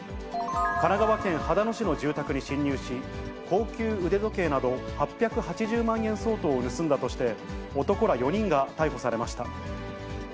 神奈川県秦野市の住宅に侵入し、高級腕時計など８８０万円相当を盗んだとして、男ら４人が逮捕されました。